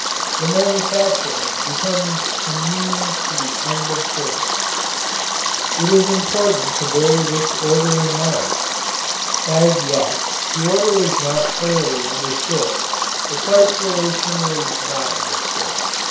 The manufacturing becomes a means to the end of service. It is important to bear this order in mind. As yet, the order is not thoroughly understood. The price relation is not understood.